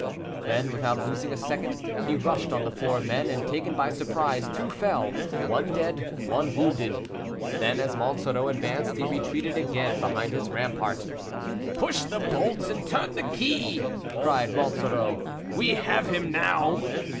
Then, without losing a second, he rushed on the four men; and taken by surprise, two fell, one dead, one wounded. Then, as Monsoreau advanced, he retreated again behind his rampart. "Push the bolts, and turn the key," cried Monsoreau, "we have him now."